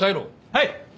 はい！